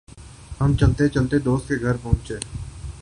ہم چلتے چلتے دوست کے گھر پہنچے ۔